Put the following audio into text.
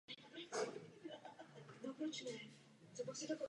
Fragmenty bývalé obce je však možno vidět dodnes.